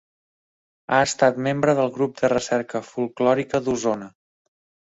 Ha estat membre del Grup de Recerca Folklòrica d'Osona.